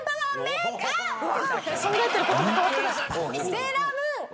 「セーラームーン！」